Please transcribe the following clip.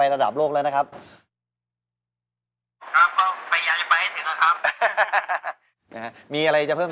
ก็ต้องไปเล่นเครื่องอาเซียนแล้วครับตอนนี้